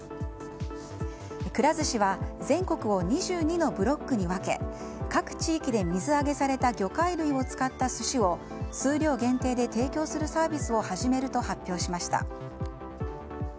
くら寿司は全国を２２のブロックに分け各地域で水揚げされた魚介類を使った寿司を数量限定で提供するサービスを始まると発表しました。